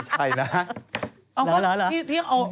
จริงไม่ใช่นะ